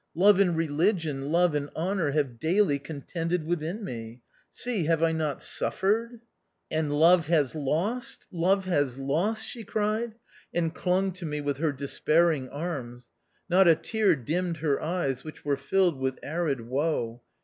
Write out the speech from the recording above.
Love and religion, love and honour have daily contended within me ; see, have I not suffered ?'" And love has lost ! love has lost !" she cried, and clung to me with her despairing arms. Not a tear dimmed her eyes, which were filled with arid woe.